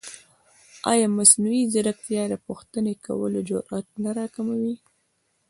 ایا مصنوعي ځیرکتیا د پوښتنې کولو جرئت نه راکموي؟